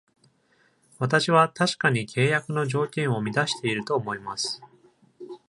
私は確かに契約の条件を満たしていると思います。